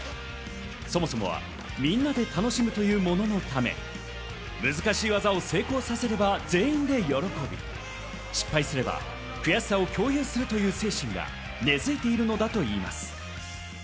そもそもはみんなで楽しむというもののため、難しい技を成功させれば全員が喜び、失敗すれば悔しさを共有するという選手が根づいているといいます。